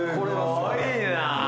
すごいな。